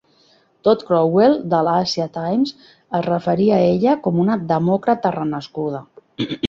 Todd Crowell, del "Asia Times", es referia a ella com una "demòcrata renascuda".